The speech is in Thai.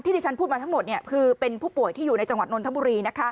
ที่ที่ฉันพูดมาทั้งหมดคือเป็นผู้ป่วยที่อยู่ในจังหวัดนนทบุรี